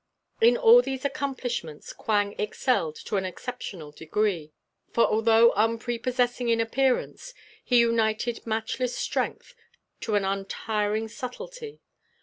In all these accomplishments Quang excelled to an exceptional degree; for although unprepossessing in appearance he united matchless strength to an untiring subtlety.